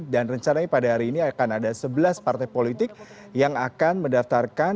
dan rencananya pada hari ini akan ada sebelas partai politik yang akan mendaftarkan